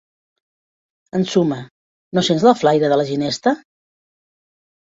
Ensuma: no sents la flaire de la ginesta?